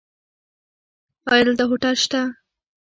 ایا دلته هوټل شته؟